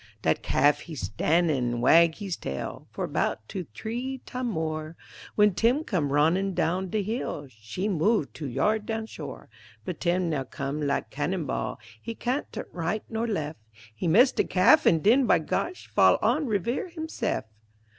Dat calf he stan' an' wag hees tail For 'bout two t'ree tam' mor'; W'en Tim com' ronnin' down de hill She move two yard down shore; But Tim now com' lak' cannon ball, He can't turn right nor lef', He miss de calf an' den, by gosh! Fall on reevere himse'f.